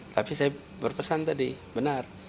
tapi saya berpesan tadi benar